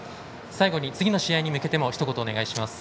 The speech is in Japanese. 最後に、次の試合に向けてもひと言お願いします。